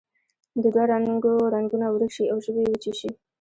د دوه رنګو رنګونه ورک شي او ژبې یې وچې شي.